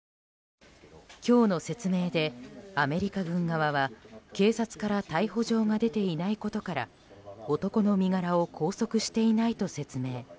今日の説明で、アメリカ軍側は警察から逮捕状が出ていないことから男の身柄を拘束していないと説明。